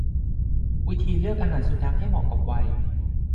วิธีเลือกอาหารสุนัขให้เหมาะกับวัย